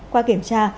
qua kiểm tra